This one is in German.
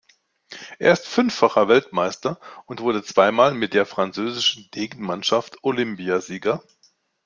Er ist fünffacher Weltmeister und wurde zweimal mit der französischen Degenmannschaft Olympiasieger.